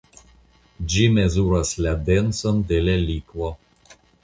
Ĝi mezuras la denson de la likvo.